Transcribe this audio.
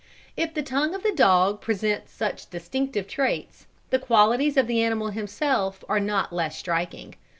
If the tongue of the dog present such distinctive traits, the qualities of the animal himself are not less striking.